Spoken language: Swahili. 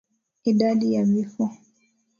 Idadi ya vifo